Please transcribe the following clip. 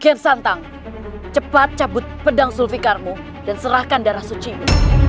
gensantang cepat cabut pedang sulfikarmu dan serahkan darah sucimu